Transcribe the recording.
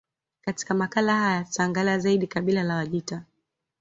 Katika makala haya tutaangalia zaidi kabila la Wajita